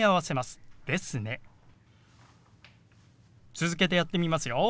続けてやってみますよ。